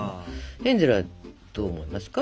ヘンゼルはどう思いますか？